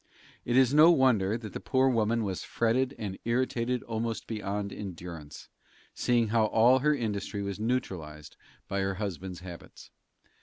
It is no wonder that the poor woman was fretted and irritated almost beyond endurance, seeing how all her industry was neutralized by her husband's habits.